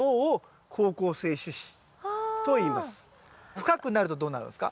深くなるとどうなるんすか？